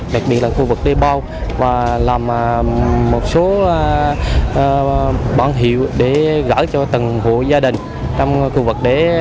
đặc biệt là khu vực đê bao và làm một số bản hiệu để gỡ cho từng hộ gia đình trong khu vực để